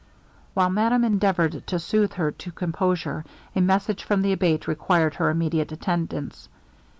While madame endeavoured to soothe her to composure, a message from the Abate required her immediate attendance.